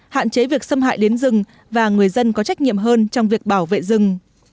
hạn chế việc xâm hại đến rừng và người dân có trách nhiệm hơn trong việc bảo vệ rừng